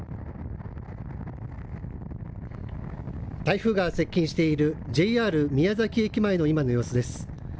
台風が接近しているＪＲ宮崎駅前の今の様子です。